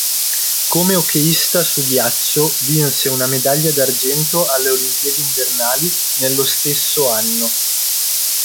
Come hockeista su ghiaccio vinse una medaglia d'argento alle Olimpiadi invernali nello stesso anno.